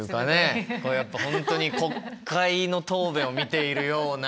やっぱ本当に国会の答弁を見ているような。